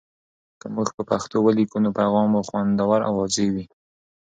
که موږ په پښتو ولیکو، نو پیغام مو خوندور او واضح وي.